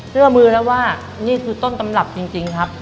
เชื่อมือแล้วว่านี่คือต้นตำรับจริงครับ